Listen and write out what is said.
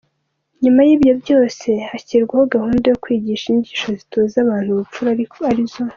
Nyuma y’ibyo ibyose hashyirwaho gahunda yo kwigisha inyigisho zitoza abantu ubupfura arizo: